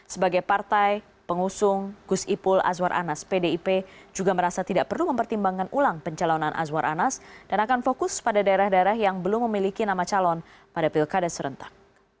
sebagai partai pengusung gus ipul azwar anas pdip juga merasa tidak perlu mempertimbangkan ulang pencalonan azwar anas dan akan fokus pada daerah daerah yang belum memiliki nama calon pada pilkada serentak